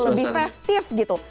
lebih festif gitu